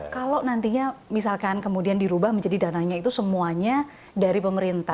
kalau nantinya misalkan kemudian dirubah menjadi dananya itu semuanya dari pemerintah